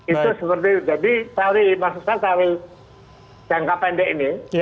itu seperti jadi maksud saya taruh jangka pendek ini